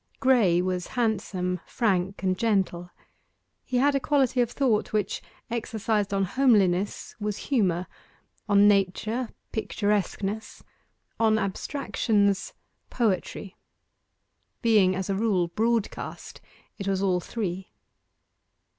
Graye was handsome, frank, and gentle. He had a quality of thought which, exercised on homeliness, was humour; on nature, picturesqueness; on abstractions, poetry. Being, as a rule, broadcast, it was all three.